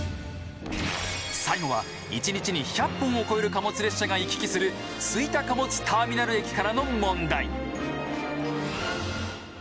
最後は１日に１００本を超える貨物列車が行き来する吹田貨物ターミナル駅からの問題。